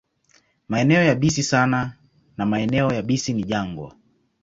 Maeneo yabisi sana na maeneo yabisi ni jangwa.